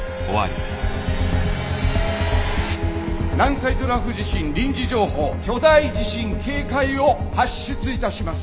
「南海トラフ地震臨時情報巨大地震警戒を発出いたします」。